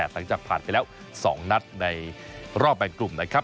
หลังจากผ่านไปแล้ว๒นัดในรอบแบ่งกลุ่มนะครับ